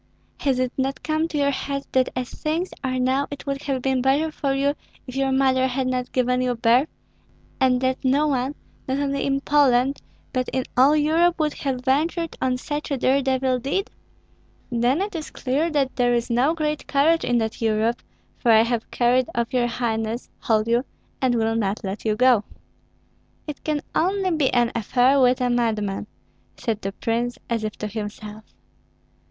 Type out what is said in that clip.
Has it not come to your head that as things are now it would have been better for you if your mother had not given you birth, and that no one, not only in Poland, but in all Europe, would have ventured on such a dare devil deed?" "Then it is clear that there is no great courage in that Europe, for I have carried off your highness, hold you, and will not let you go." "It can only be an affair with a madman," said the prince, as if to himself.